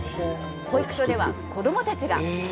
保育所では子どもたちが。